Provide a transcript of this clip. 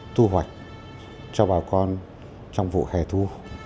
thu hoạch cho bà con trong vụ hè thu